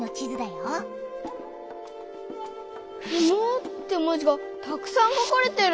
「不毛」って文字がたくさん書かれてる。